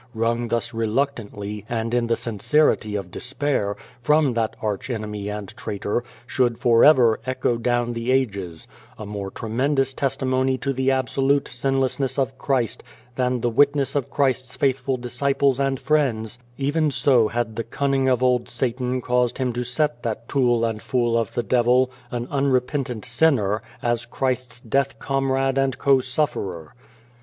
wrung thus reluc tantly, and in the sincerity of despair, from that arch enemy and traitor, should for ever echo down the ages, a more tremendous testimony to the absolute sinlessness of Christ than the witness of Christ's faithful disciples and friends even so had the cunning of old Satan caused him to set that tool and fool of the devil, an unrepentant sinner, as Christ's death comrade and co sufferer.